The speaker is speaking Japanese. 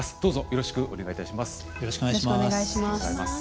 よろしくお願いします。